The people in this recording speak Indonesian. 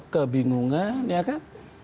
kebingungan ya kan